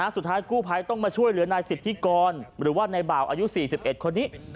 สุดท้ายกู้ภัยต้องมาช่วยเหลือนายสิทธิกรหรือว่านายบ่าวอายุ๔๑คนนี้